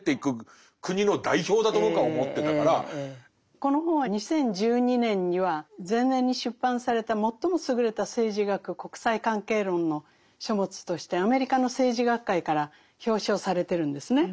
この本は２０１２年には前年に出版された「最も優れた政治学・国際関係論の書物」としてアメリカの政治学会から表彰されてるんですね。